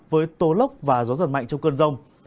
với tố lốc và gió giật mạnh trong cơn rông